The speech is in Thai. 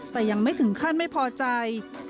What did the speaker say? แต่ยังไม่ถึงขั้นไม่พอใจ